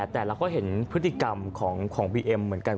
แต่เราก็เห็นพฤติกรรมของบีเอ็มเหมือนกัน